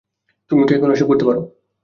তুমি কি এখনো এসব করতে পারো?